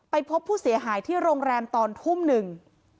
พบผู้เสียหายที่โรงแรมตอนทุ่มหนึ่ง